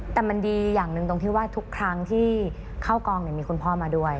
แต่มันดีอย่างหนึ่งตรงที่ว่าทุกครั้งที่เข้ากองมีคุณพ่อมาด้วย